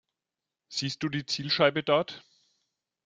Siehst du die Zielscheibe dort?